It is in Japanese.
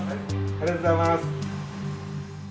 ありがとうございます。